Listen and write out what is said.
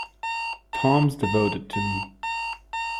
Tom's devoted to me.